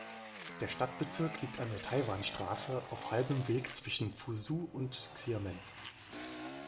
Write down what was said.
Der Stadtbezirk liegt an der Taiwan-Straße auf halbem Weg zwischen Fuzhou und Xiamen.